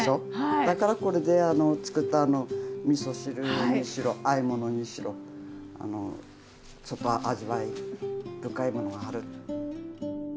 だからこれでつくったみそ汁にしろあえ物にしろ味わい深いものがある。